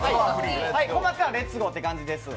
困ったらレッツゴーって感じです。